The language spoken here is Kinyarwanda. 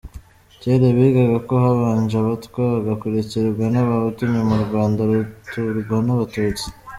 Kera bigaga ko habanje Abatwa, bagakurikirwa n’Abahutu nyuma u Rwanda ruturwa n’Abatutsi.